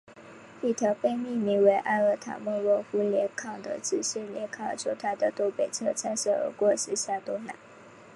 一条被命名为阿尔塔莫诺夫链坑的直线链坑从它的东北侧擦身而过伸向东南。